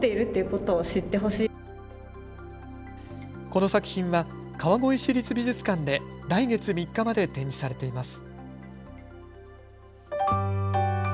この作品は川越市立美術館で来月３日まで展示されています。